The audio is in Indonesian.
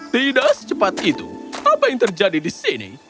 tidak secepat itu apa yang terjadi di sini